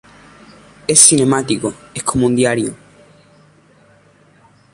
Es cinemático, es como un diario.